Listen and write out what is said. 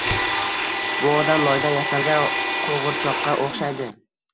Bu odam loydan yasalgan qo’g’irchoqqa o’xshaydi.